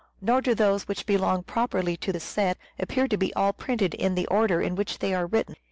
Nor do those which belong properly to the set appear to be all printed in the order in which they were written.